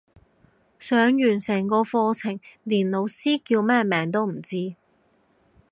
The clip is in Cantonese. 上完成個課程連老師叫咩名都唔知